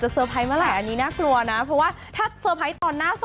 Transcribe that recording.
แต่งหน้ารอควบคุมมาก